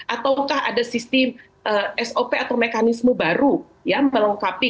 ataukah ada sistem sop atau mekanisme baru ya melengkapi